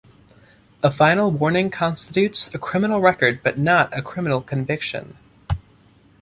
A Final Warning constitutes a criminal record but not a criminal conviction.